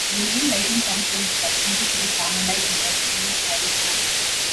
The name likely comes from its proximity to the Carmelite Monastery in Aylesford.